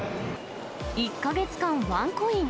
１か月間ワンコイン。